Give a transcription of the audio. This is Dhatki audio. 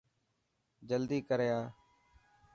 جلدي ڪر آ.